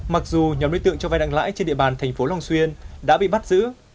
mặc dù nhóm đối tượng cho vai nặng lãi trên địa bàn thành phố long xuyên đã bị bắt giữ